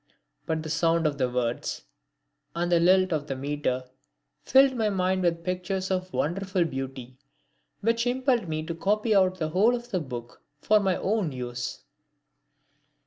But the sound of the words and the lilt of the metre filled my mind with pictures of wonderful beauty, which impelled me to copy out the whole of the book for my own use.